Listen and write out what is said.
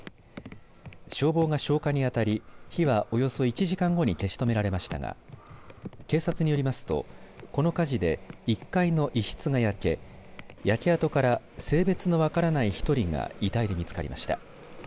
消防が消火に当たり火はおよそ１時間後に消し止められましたが警察によりますと、この火事で１階の１室が焼け焼け跡から性別の分からない１人が遺体で見つかりました。